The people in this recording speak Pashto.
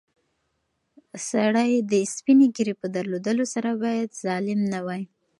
سړی د سپینې ږیرې په درلودلو سره باید ظالم نه وای.